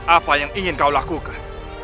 apa yang ingin kau lakukan